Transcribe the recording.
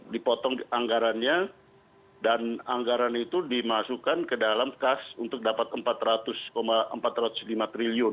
dipotong anggarannya dan anggaran itu dimasukkan ke dalam kas untuk dapat rp empat ratus empat ratus lima triliun